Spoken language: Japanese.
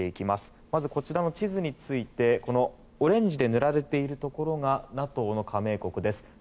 まず、こちらの地図についてオレンジで塗られているところがＮＡＴＯの加盟国です。